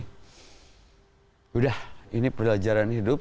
sudah ini pelajaran hidup